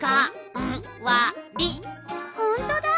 ほんとだ！